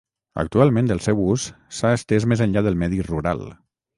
Actualment el seu ús s'ha estès més enllà del medi rural.